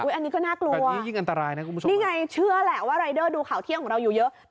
อันนี้ก็น่ากลัวนี่ยิ่งอันตรายนะคุณผู้ชมนี่ไงเชื่อแหละว่ารายเดอร์ดูข่าวเที่ยงของเราอยู่เยอะ